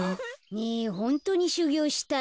ねえホントにしゅぎょうしたいの？